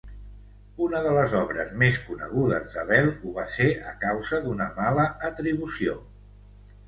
Una de les obres més conegudes d'Abel ho va ser a causa d'una mala atribució.